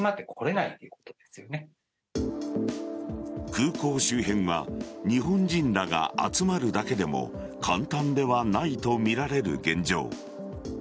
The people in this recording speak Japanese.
空港周辺は日本人らが集まるだけでも簡単ではないとみられる現状。